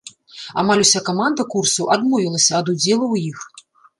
Амаль уся каманда курсаў адмовілася ад удзелу ў іх.